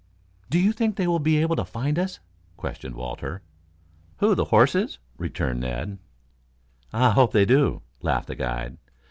"Do you think they will be able to find us!" questioned Walter. "Who, the horses?" returned Ned. "I hope they do," laughed the guide.